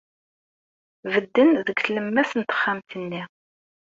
Bedden deg tlemmast n texxamt-nni.